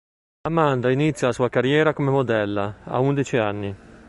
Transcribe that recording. Amanda inizia la sua carriera come modella, ad undici anni.